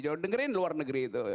dengerin luar negeri itu